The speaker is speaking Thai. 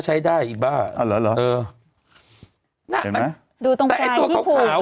ใช้ได้อีกบ้าอ่ะเหรอเหรอเออเห็นไหมดูตรงขาวขาวขาว